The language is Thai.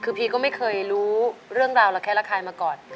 คือพีก็ไม่เคยรู้เรื่องราวระแคะระคายมาก่อน